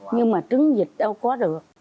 nhưng mà trứng vịt đâu có được